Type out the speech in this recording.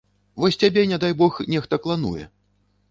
Вось цябе не дай бог нехта клануе.